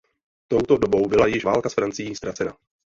Touto dobou byla již válka s Francií ztracena.